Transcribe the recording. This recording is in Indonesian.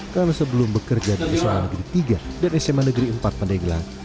karena sebelum bekerja di sma negeri tiga dan sma negeri empat pandegelang